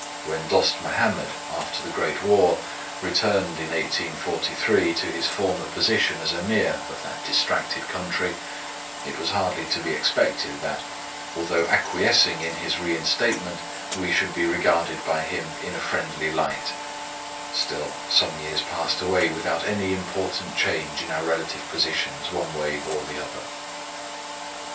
When Dost Mahomed, after the great war, returned in 1843 to his former position as Ameer of that distracted country, it was hardly to be expected that, although acquiescing in his reinstatement, we should be regarded by him in a friendly light; still, some years passed away without any important change in our relative positions, one way or the other.